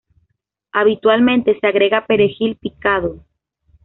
Habitualmente se agrega perejil picado.